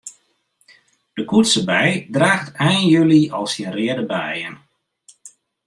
De koetsebei draacht ein july al syn reade beien.